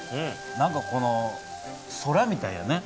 何かこの空みたいやね。